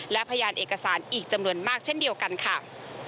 และพยานเอกสารอีกจำนวนมากเช่นเดียวกันค่ะ